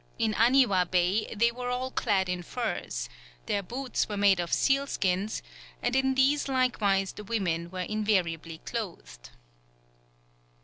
In Aniwa Bay they were all clad in furs; their boots were made of seal skins, and in these likewise the women were invariably clothed."